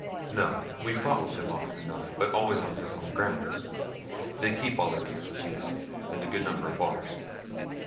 "No. We've fought with them often enough, but always on their home grounds. They keep all their casualties, and a good number of ours.